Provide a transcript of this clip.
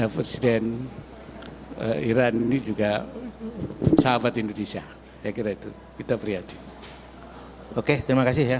presiden iran ini juga sahabat indonesia